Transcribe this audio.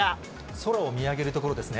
空を見上げるところですね。